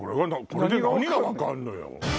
これで何が分かるのよ。